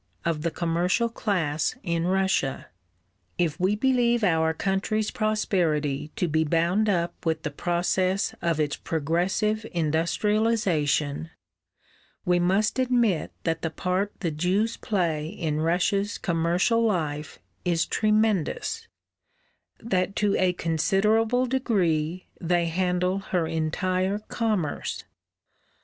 of the commercial class in Russia. If we believe our country's prosperity to be bound up with the process of its progressive industrialisation, we must admit that the part the Jews play in Russia's commercial life is tremendous, that to a considerable degree they handle her entire commerce.